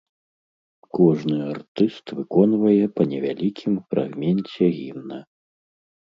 Кожны артыст выконвае па невялікім фрагменце гімна.